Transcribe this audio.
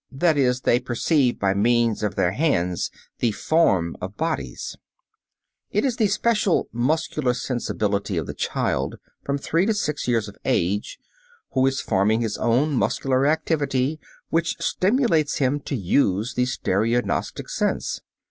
That is, they perceive by means of their hands the form of bodies. It is the special muscular sensibility of the child from three to six years of age who is forming his own muscular activity which stimulates him to use the stereognostic sense.